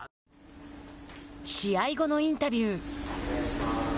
試合後のインタビュー。